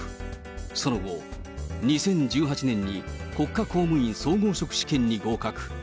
その後、２０１８年に国家公務員総合職試験に合格。